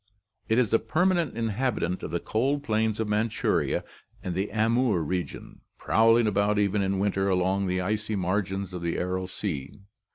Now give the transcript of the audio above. It is a permanent inhabitant of the cold plains of Manchuria and the Amoor region ... prowling about even in winter along the icy margins of the Aral sea."